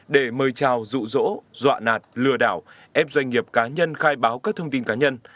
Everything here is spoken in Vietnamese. để mời chào rụ rỗ dọa nạt lừa đảo ép doanh nghiệp cá nhân khai báo các thông tin cá nhân